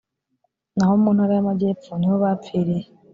naho mu ntara y amajyepfo niho bapfiriye